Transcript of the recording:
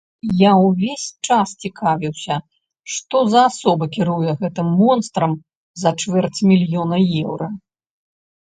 Я ўвесь час цікавіўся, што за асоба кіруе гэтым монстрам за чвэрць мільёна еўра.